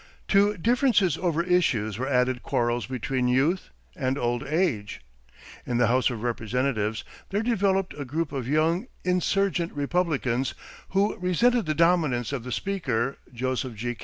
To differences over issues were added quarrels between youth and old age. In the House of Representatives there developed a group of young "insurgent" Republicans who resented the dominance of the Speaker, Joseph G.